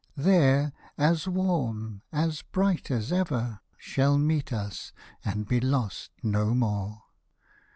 There, as warm, as bright as ever, Shall meet us and be lost no more.